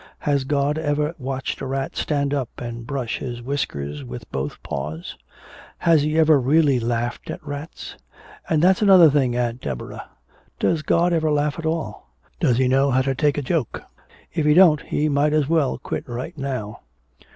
Has God ever watched a rat stand up and brush his whiskers with both paws? Has he ever really laughed at rats? And that's another thing, Aunt Deborah does God ever laugh at all? Does he know how to take a joke? If he don't, we might as well quit right now!'"